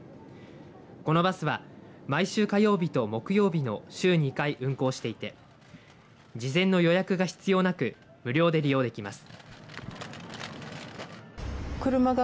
このバスは毎週火曜日と木曜日の週２回運行していて事前の予約が必要なく無料で利用できます。